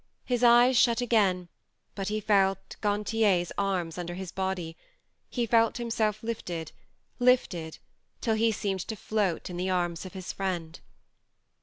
His eyes shut again, but he felt Gantier's arms under his body, felt himself lifted, lifted, till he seemed to float in the arms of his friend.